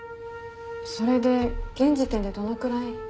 それで現時点でどのくらい？